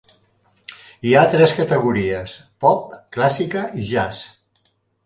Hi ha tres categories: pop, clàssica i jazz.